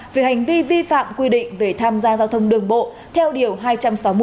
về hành vi vi phạm quy định về tham gia giao thông đường bộ theo điều hai trăm sáu mươi bộ luật hình sự